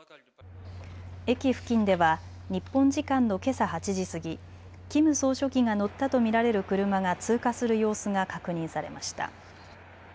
駅付近では日本時間のけさ８時過ぎ、キム総書記が乗ったと見られる車が通過する様子が確認されました。